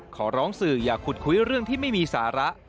ขอร้องสื่ออย่าขุดคุยเรื่องที่ไม่มีสาระ